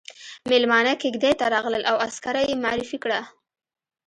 ميلمانه کېږدۍ ته راغلل او عسکره يې معرفي کړه.